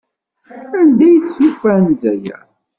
Anda ay d-tufa anza-a?